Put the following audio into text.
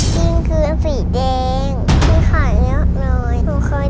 กิ้งกือสีแดงมีขาเล็กน้อย